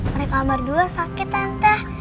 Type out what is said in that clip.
mereka berdua sakit tante